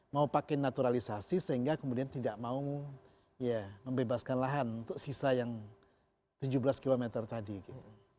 mau pakai naturalisasi sehingga kemudian tidak mau ya membebaskan lahan untuk sisa yang tujuh belas km tadi gitu